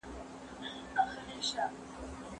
څېړنې ښيي، کافین د کلسیم پاتې کېدل کموي.